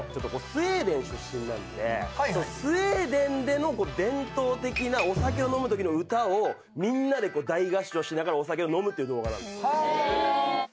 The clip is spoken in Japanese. スウェーデンでの伝統的なお酒を飲むときの歌をみんなで大合唱しながらお酒を飲むっていう動画なんですよ。